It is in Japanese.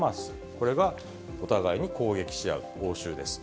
これがお互いに攻撃し合う応酬です。